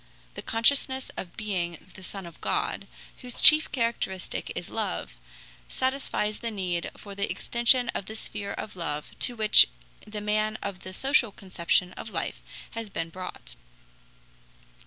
The consciousness of being the Son of God, whose chief characteristic is love, satisfies the need for the extension of the sphere of love to which the man of the social conception of life had been brought.